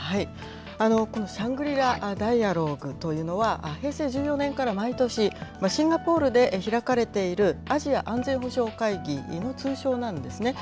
このシャングリラ・ダイアローグというのは平成１４年から毎年、シンガポールで開かれているアジア安全保障会議の通称なんですね。